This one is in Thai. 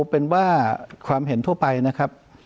คือเอาเป็นว่า